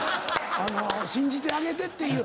信じてあげてっていう。